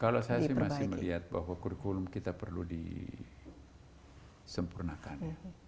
kalau saya sih masih melihat bahwa kurikulum kita perlu disempurnakan